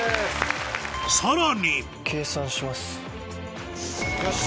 さらによし！